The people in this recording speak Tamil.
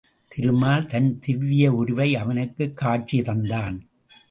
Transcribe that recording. திருமால் தன் திவ்விய உருவை அவனுக்குக் காட்சி தந்தான்.